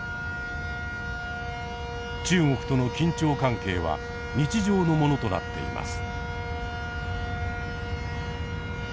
中国との緊張関係は日常のものとなっています。